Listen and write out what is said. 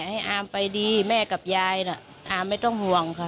ให้อามไปดีแม่กับยายน่ะอามไม่ต้องห่วงค่ะ